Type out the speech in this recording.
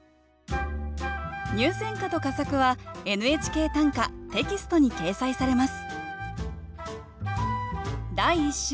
入選歌と佳作は「ＮＨＫ短歌」テキストに掲載されます